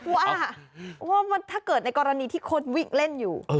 ว่าถ้าเกิดในกรณีที่คนวิ่งเล่นอยู่